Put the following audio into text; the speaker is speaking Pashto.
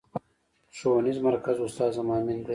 ښوونيز مرکز استاد هم امين دی.